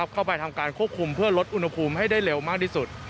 เข้าไปทำการควบคุมเพื่อลดอุณหภูมิให้ได้เร็วมากที่สุด